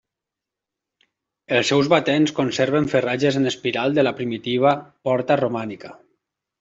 Els seus batents conserven farratges en espiral de la primitiva porta romànica.